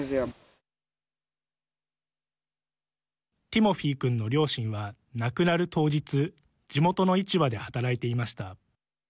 ティモフィ君の両親は亡くなる当日地元の市場で働いていました。